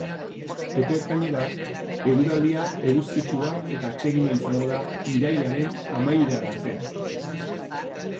Epe ertainera, eguraldia eguzkitsua eta atsegina izango da irailaren amaierara arte.